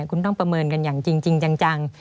คุณต้องประเมินกันอย่างจริงจัง